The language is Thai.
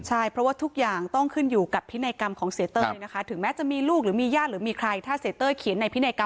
ใช่เพราะว่าทุกอย่างต้องขึ้นอยู่กับพินัยกรรมของเสียเต้ย